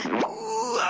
うわ！